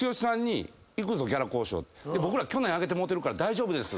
僕ら去年上げてもろうてるから大丈夫です。